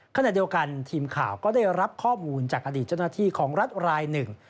ขณะเดียวกันทีมข่าวก็ได้รับข้อมูลจากอดีตเจ้าหน้าที่ของรัฐรายหนึ่ง